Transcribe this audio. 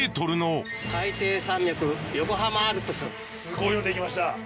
すごいのできました。